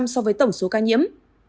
so với tổng số ca nhiễm